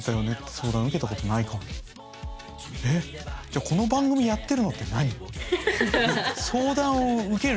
じゃあこの番組やってるのって何？